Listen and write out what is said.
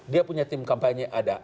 dia punya tim kampanye ada